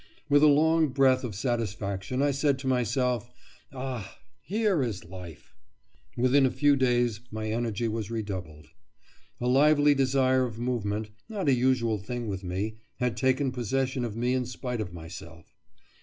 With a long breath of satisfaction I said to myself: "Ah, here is life!" Within a few days my energy was redoubled. A lively desire of movement, not a usual thing with me, had taken possession of me in spite of myself.